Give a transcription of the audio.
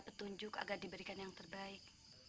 petunjuk agar diberikan yang terbaik